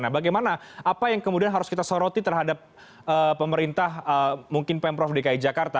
nah bagaimana apa yang kemudian harus kita soroti terhadap pemerintah mungkin pemprov dki jakarta